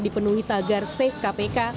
dipenuhi tagar save kpk